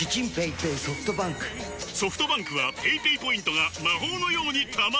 ソフトバンクはペイペイポイントが魔法のように貯まる！